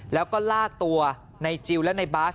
แล้วก็ลากตัวในจิลและในบาส